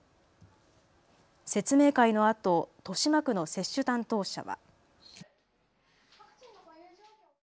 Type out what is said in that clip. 説明会のあと豊島区の接種担当者は。